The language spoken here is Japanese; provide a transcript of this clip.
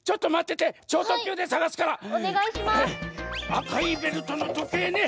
あかいベルトのとけいね！